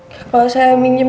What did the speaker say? kalau saya minjem